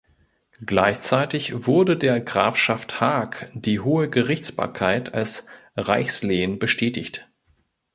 Gleichzeitig wurde der Grafschaft Haag die hohe Gerichtsbarkeit als Reichslehen bestätigt.